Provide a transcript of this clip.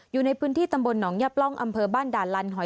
อยู่ในพื้นที่ตำบลหนองยับร่องอำเภอบ้านด่านลันหอย